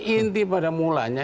inti pada mulanya